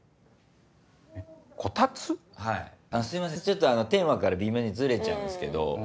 ちょっとテーマから微妙にずれちゃうんすけど。